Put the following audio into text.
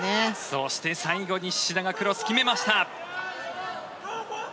そして、最後に志田がクロス決めました。